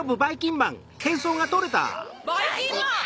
ばいきんまん！